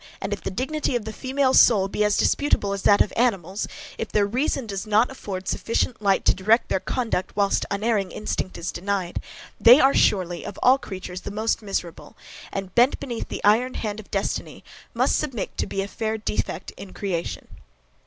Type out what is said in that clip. And if the dignity of the female soul be as disputable as that of animals, if their reason does not afford sufficient light to direct their conduct whilst unerring instinct is denied, they are surely of all creatures the most miserable and, bent beneath the iron hand of destiny, must submit to be a FAIR DEFECT in creation.